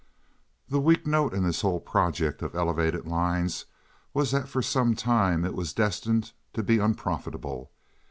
The weak note in this whole project of elevated lines was that for some time it was destined to be unprofitable.